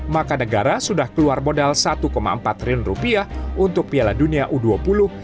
maka negara sudah keluar modal satu empat triliun rupiah untuk piala dunia u dua puluh